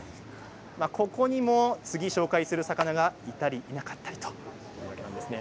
ここにも、次、紹介する魚がいたりいなかったりということですね。